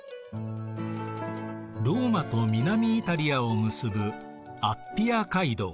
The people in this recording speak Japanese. ローマと南イタリアを結ぶアッピア街道。